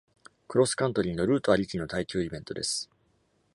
クロスカントリーのルートありきの耐久イベントです。